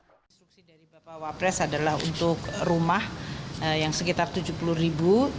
instruksi dari bapak wapres adalah untuk rumah yang sekitar tujuh puluh ribu